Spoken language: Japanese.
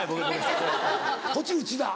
こっち内田。